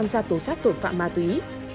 ra tổ sát tội phạm ma túy